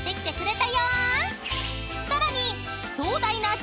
［さらに］